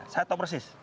saya tahu persis